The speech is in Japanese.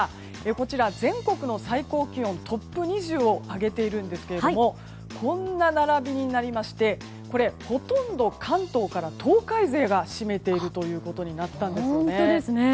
こちら全国の最高気温トップ２０を挙げているんですがこんな並びになりましてほとんど、関東から東海勢が占めているということになったんですよね。